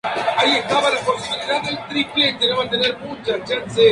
El concurso se realizó en la ciudad de Nueva York, Estados Unidos.